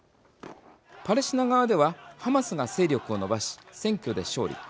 パレスチナ側ではハマスが勢力をのばし選挙で勝利。